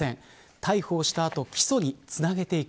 逮捕をした後起訴につなげていく。